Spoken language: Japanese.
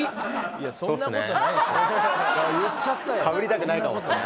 「言っちゃったよ！」